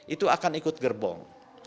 itu akan ikut gerbong